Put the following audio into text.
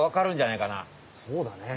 そうだね。